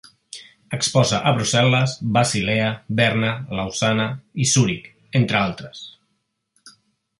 Exposa a Brussel·les, Basilea, Berna, Lausana i Zuric, entre altres.